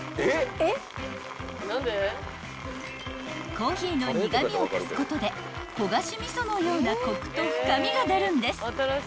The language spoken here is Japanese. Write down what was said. ［コーヒーの苦みを足すことで焦がし味噌のようなコクと深みが出るんです］